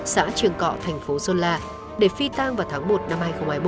xã trường cọ thành phố sơn la để phi tang vào tháng một năm hai nghìn hai mươi bốn